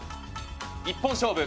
一本勝負。